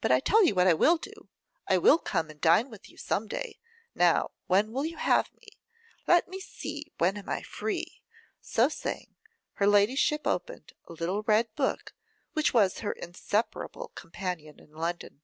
But I tell you what I will do; I will come and dine with you some day. Now, when will you have me? Let me see, when am I. free?' So saying, her ladyship opened a little red book, which was her inseparable companion in London.